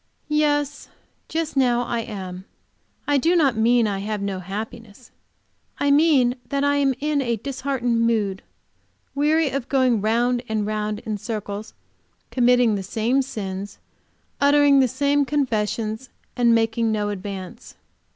"Yes, just now I am. I do not mean that I have no happiness; I mean that I am in a disheartened mood, weary of going round and round in circles, committing the same sins, uttering the same confessions, and making no advance."